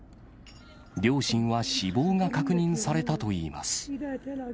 両親は死亡が確認されたということです。